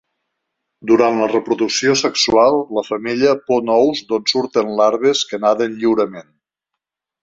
Durant la reproducció sexual la femella pon ous d'on surten larves que naden lliurement.